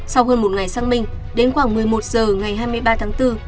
sau hơn một ngày xăng minh đến khoảng một mươi một giờ ngày hai mươi ba tháng bốn